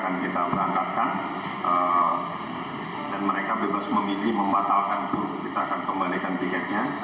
dan mereka bebas memilih membatalkan kita akan kembalikan tiketnya